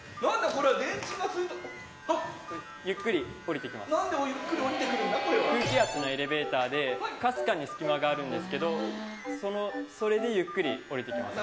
これは空気圧のエレベーターでかすかにスキマがあるんですけどそれでゆっくり降りてきます